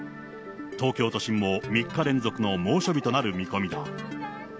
東京都心も３日連続の猛暑日となる見込みだ。